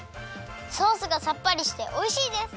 ソースがさっぱりしておいしいです！